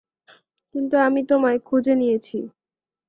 কিন্তু আমি তোমায় খুঁজে নিয়েছি।